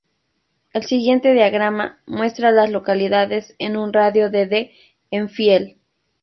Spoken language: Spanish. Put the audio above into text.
El siguiente diagrama muestra a las localidades en un radio de de Enfield.